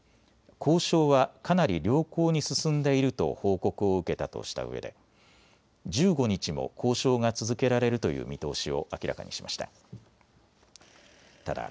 交渉はかなり良好に進んでいると報告を受けたとしたうえで１５日も交渉が続けられるという見通しを明らかにしました。